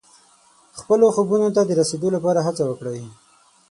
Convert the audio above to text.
خپلو خوبونو ته د رسیدو لپاره هڅه وکړئ.